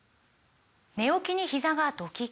寝起きにひざがドキッ！